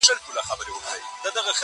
پلار له پوليسو سره ناست دی او مات ښکاري,